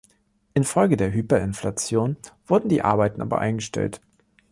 Infolge der Hyperinflation wurden die Arbeiten aber eingestellt.